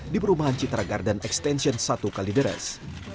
di perumahan citra garden extension satu kalideres